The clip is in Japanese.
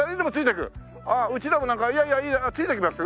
ああうちらもなんかいやいやいやついてきます？